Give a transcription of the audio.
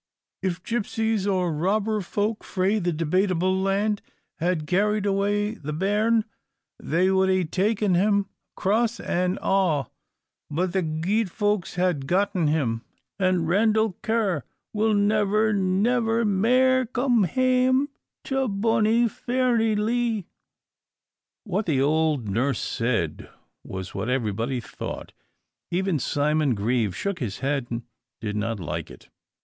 If gipsies, or robber folk frae the Debatable Land, had carried away the bairn, they would hae taken him, cross and a'. But the guid folk have gotten him, and Randal Ker will never, never mair come hame to bonny Fairnilee." What the old nurse said was what everybody thought. Even Simon Grieve shook his head, and did not like it.